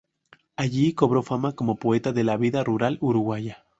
Allí cobró fama como poeta de la vida rural uruguaya.